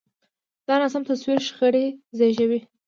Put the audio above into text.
دا ناسم تصور شخړې زېږوي.